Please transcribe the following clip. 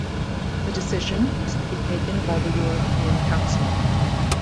The decision is to be taken by the European Council.